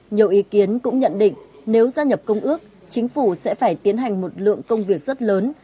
nhiều ý kiến cũng nhận định nếu gia nhập công ước chính phủ sẽ phải tiến hành một lượng công việc rất lớn